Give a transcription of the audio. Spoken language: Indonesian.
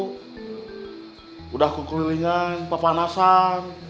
sudah kekelilingan pepanasan